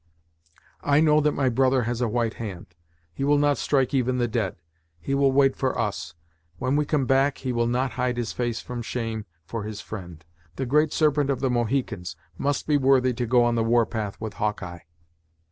I know that my brother has a white hand; he will not strike even the dead. He will wait for us; when we come back, he will not hide his face from shame for his friend. The great Serpent of the Mohicans must be worthy to go on the war path with Hawkeye."